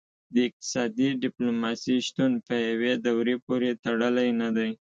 د اقتصادي ډیپلوماسي شتون په یوې دورې پورې تړلی نه دی